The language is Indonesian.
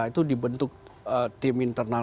itu dibentuk tim internal